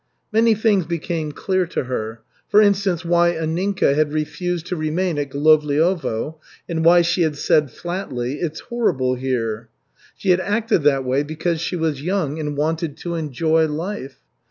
Many things became clear to her for instance, why Anninka had refused to remain at Golovliovo and why she had said flatly, "It's horrible here!" She had acted that way because she was young and wanted to enjoy life.